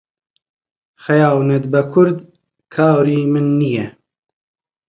خەیانەت بە کورد کاری من نییە.